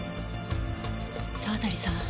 沢渡さん